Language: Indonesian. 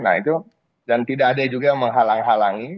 nah itu dan tidak ada juga yang menghalang halangi